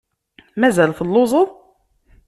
Mazal telluẓeḍ?